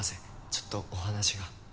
ちょっとお話が。